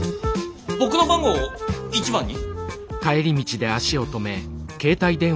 僕の番号を１番に？